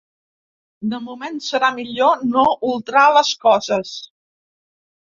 De moment, serà millor no ultrar les coses.